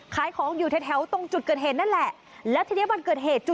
ขายของอยู่แถวแถวตรงจุดเกิดเหตุนั่นแหละแล้วทีนี้วันเกิดเหตุจู่